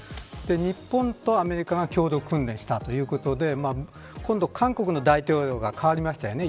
日本とアメリカが共同訓練をしたということで今度は韓国の大統領が変わりましたよね。